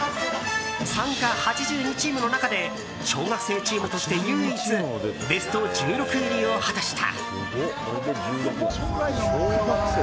参加８２チームの中で小学生チームとして唯一、ベスト１６入りを果たした。